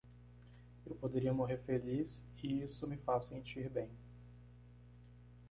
Eu poderia morrer feliz? e isso me fez sentir bem.